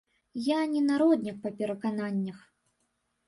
Я не народнік па перакананнях.